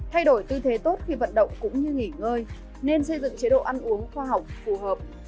thay đổi tư thế tốt khi vận động cũng như nghỉ ngơi nên xây dựng chế độ ăn uống khoa học phù hợp